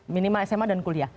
minimal sma dan kuliah